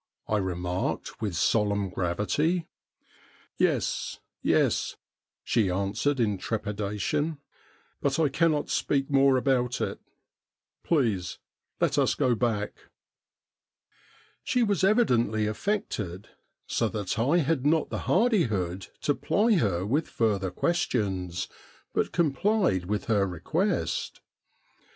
' I remarked with solemn gravity. 'Yes, yes,' she answered in trepidation; 'but I cannot speak more about it. Please let us go back.' She was evidently affected so that I had not the hardihood to ply her with further questions, but complied with her request.